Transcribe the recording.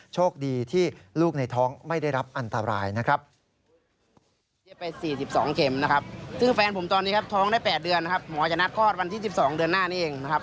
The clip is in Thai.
โชคดีที่ลูกในท้องไม่ได้รับอันตรายนะครับ